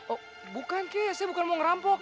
oh bukan kek saya bukan mau ngerampok